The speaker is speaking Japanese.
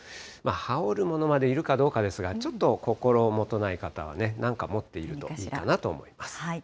羽織るものまでいるかどうかですが、ちょっと心もとない方は、なんか持っているといいかなと思い